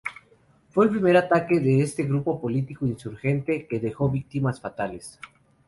Fue el primer ataque de este grupo político-insurgente que dejó víctimas fatales.